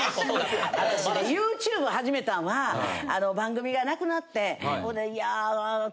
私がＹｏｕＴｕｂｅ始めたんは番組が無くなってほんでいや。